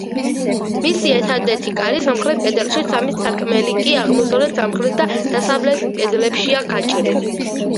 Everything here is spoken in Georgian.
მისი ერთადერთი კარი სამხრეთ კედელში, სამი სარკმელი კი აღმოსავლეთ, სამხრეთ და დასავლეთ კედლებშია გაჭრილი.